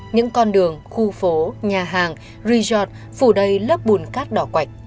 những con đường khu phố nhà hàng resort phủ đầy lớp bùn cát đỏ quạch